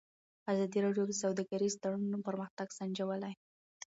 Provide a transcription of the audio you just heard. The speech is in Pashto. ازادي راډیو د سوداګریز تړونونه پرمختګ سنجولی.